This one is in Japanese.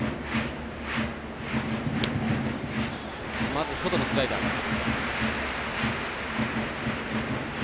まず外のスライダーから。